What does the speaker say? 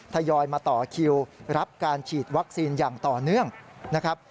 ทยอยมาต่อคิวรับการฉีดวัคซีนอย่างต่อเนื่องนะครับ